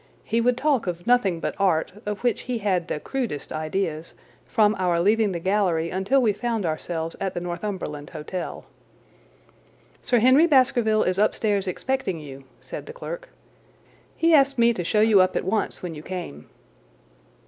He would talk of nothing but art, of which he had the crudest ideas, from our leaving the gallery until we found ourselves at the Northumberland Hotel. "Sir Henry Baskerville is upstairs expecting you," said the clerk. "He asked me to show you up at once when you came."